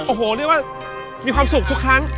โอ้โหเรียกว่ามีความสุขทุกครั้ง